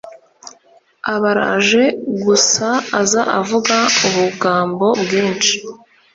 abaraje gusa aza avuga ubugambo bwinshi